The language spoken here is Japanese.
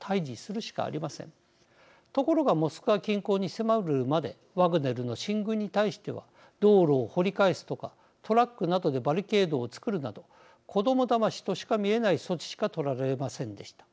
ところがモスクワ近郊に迫るまでワグネルの進軍に対しては道路を掘り返すとかトラックなどでバリケードを作るなど子どもだましとしか見えない措置しかとられませんでした。